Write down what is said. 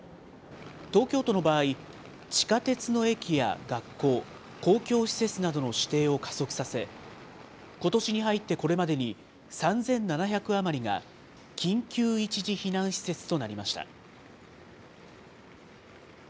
東京都の場合、地下鉄の駅や学校、公共施設などの指定を加速させ、ことしに入ってこれまでに３７００余りが緊急一時避難施設となりました。